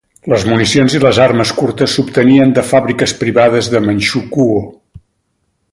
Les municions i les armes curtes s'obtenien de fàbriques privades de Manxukuo.